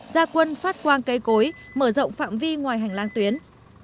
gia quân phát quang cây cối mở rộng phạm vi ngoài hành lang tuyến